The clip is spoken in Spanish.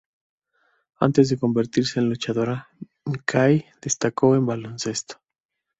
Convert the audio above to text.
Antes de convertirse en luchadora, McKay destacó en baloncesto.